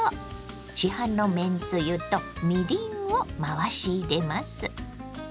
市販のめんつゆとみりんを回し入れます。